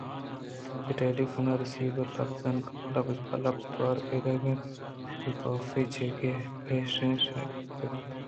چہ ٹیلی فون ءِ ریسور ءَ لبز پہ لبز توار پیداک اَت کہ کاف ءَ چد ءُ پیش اِش کُتگ اَت